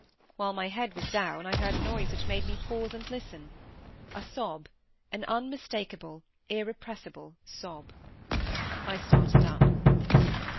While my head was down I heard a noise which made me pause and listen—a sob, an unmistakable, irrepressible sob. I started up.